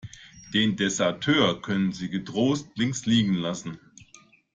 Den Deserteur können Sie getrost links liegen lassen.